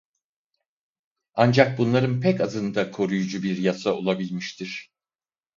Ancak bunların pek azında koruyucu bir yasa olabilmiştir.